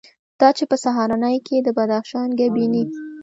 دا چې په سهارنۍ کې یې د بدخشان ګبیني،